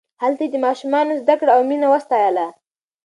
هلته یې د ماشومانو زدکړه او مینه وستایله.